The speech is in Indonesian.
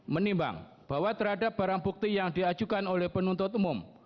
menimbang bahwa terhadap barang bukti yang diajukan oleh penuntut umum